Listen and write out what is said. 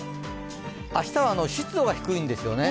明日は湿度が低いんですよね。